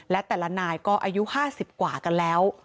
และแต่ละนายก็อายุ๕๐กว่ากันแล้ว